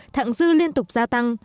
thạng dư liên tục gia tăng